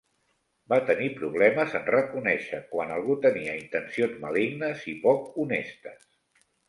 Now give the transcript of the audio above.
Va tenir problemes en reconèixer quan algú tenia intencions malignes i poc honestes.